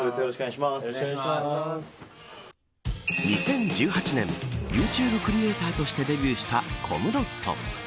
２０１８年ユーチューブクリエイターとしてデビューしたコムドット。